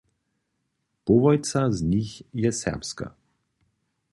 Połojca z nich je serbska.